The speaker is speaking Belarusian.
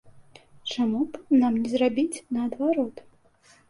Чаму б нам не зрабіць наадварот?